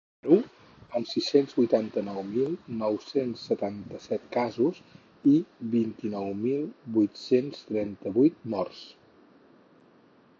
Perú, amb sis-cents vuitanta-nou mil nou-cents setanta-set casos i vint-i-nou mil vuit-cents trenta-vuit morts.